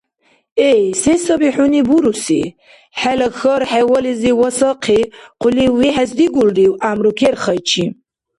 Эй, се саби хӀуни буруси?! ХӀела хьар хӀевализи васахъи, хъулив вихӀес дигулрив гӀямру керхайчи?